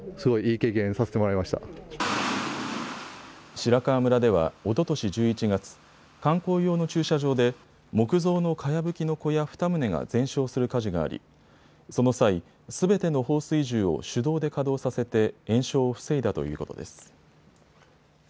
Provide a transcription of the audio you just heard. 白川村ではおととし１１月、観光用の駐車場で木造のかやぶきの小屋２棟が全焼する火事がありその際、すべての放水銃を手動で稼働させて延焼を防いだということです。